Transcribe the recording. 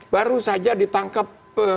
baru saja ditangkap